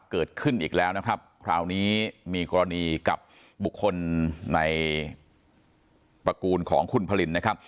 เกิดขึ้นอีกแล้วคราวนี้มีกรณีกับบุคคลในประกูลของคุณพระลิน